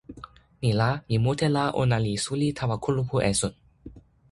ni la, mi mute la ona li suli tawa kulupu esun.